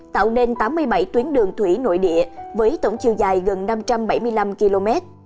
tạo nên tám mươi bảy tuyến đường thủy nội địa với tổng chiều dài gần năm trăm bảy mươi năm km